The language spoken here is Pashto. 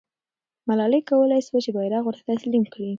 ملالۍ کولای سوای چې بیرغ ورته تسلیم کړي.